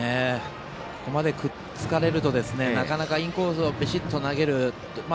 ここまでくっつかれるとなかなかインコースをビシッと投げるのは。